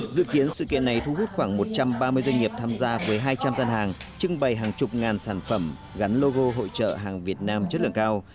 dự kiến sự kiện này thu hút khoảng một trăm ba mươi doanh nghiệp tham gia với hai trăm linh gian hàng trưng bày hàng chục ngàn sản phẩm gắn logo hội trợ hàng việt nam chất lượng cao